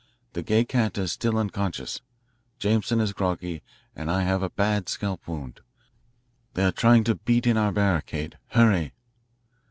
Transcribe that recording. The Gay Cat is still unconscious, Jameson is groggy, and I have a bad scalp wound. They are trying to beat in our barricade. Hurry."